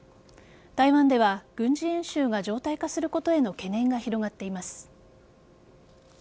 台湾では軍事演習が常態化することへの懸念が広がっています。